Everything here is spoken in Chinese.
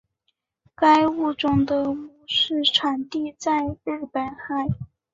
该物种的模式产地在日本海。